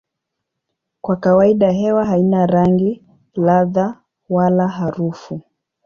Kwa kawaida hewa haina rangi, ladha wala harufu.